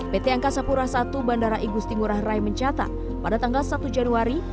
pt angkasa pura i bandara igusti ngurah rai mencatat pada tanggal satu januari